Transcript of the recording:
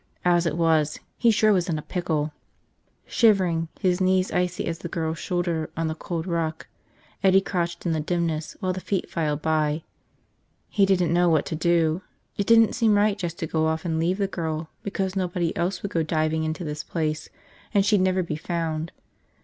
As it was, he sure was in a pickle. Shivering, his knees icy as the girl's shoulder on the cold rock, Eddie crouched in the dimness while the feet filed by. He didn't know what to do. It didn't seem right just to go off and leave the girl because nobody else would go diving into this place and she'd never be found.